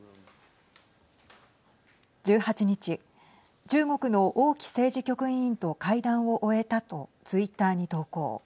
１８日、中国の王毅政治局委員と会談を終えたとツイッターに投稿。